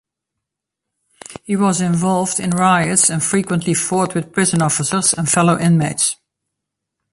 He was involved in riots and frequently fought with prison officers and fellow inmates.